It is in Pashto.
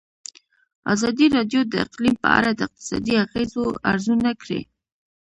ازادي راډیو د اقلیم په اړه د اقتصادي اغېزو ارزونه کړې.